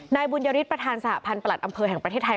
นายบุญยฤทธิประธานสหพันธ์ประหลัดอำเภอแห่งประเทศไทย